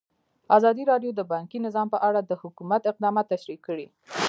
ازادي راډیو د بانکي نظام په اړه د حکومت اقدامات تشریح کړي.